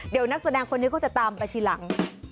เดี๋ยวนักแสดงคนนี้เขาจะตามไปทีหลัง